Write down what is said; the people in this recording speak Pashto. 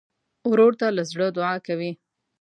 ورور ته له زړه دعا کوې.